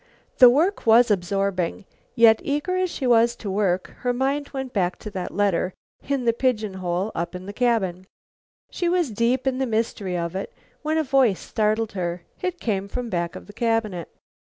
The work was absorbing, yet, eager as she was to work, her mind went back to that letter in the pigeon hole up in the cabin. She was deep in the mystery of it when a voice startled her. It came from back of the cabinet.